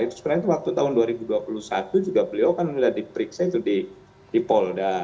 itu sebenarnya waktu tahun dua ribu dua puluh satu juga beliau kan sudah diperiksa itu di polda